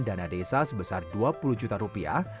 dana desa sebesar dua puluh juta rupiah